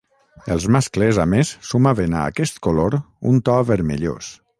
Els mascles a més sumaven a aquest color un to vermellós.